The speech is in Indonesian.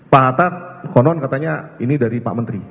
pak hatta konon katanya ini dari pak menteri